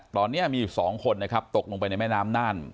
ตอนนี้มีอยู่๒คนนะครับตกลงไปในแม่น้ำน่าน